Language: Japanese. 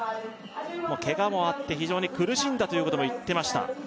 ケガもあって非常に苦しんだということも言ってました